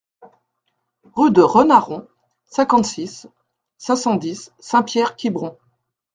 Rue de Renaron, cinquante-six, cinq cent dix Saint-Pierre-Quiberon